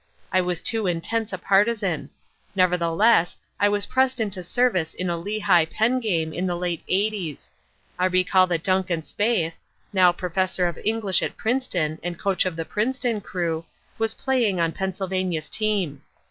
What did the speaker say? "I was too intense a partisan. Nevertheless, I was pressed into service in a Lehigh Penn game in the late '80's. I recall that Duncan Spaeth, now Professor of English at Princeton and coach of the Princeton crew, was playing on Pennsylvania's team.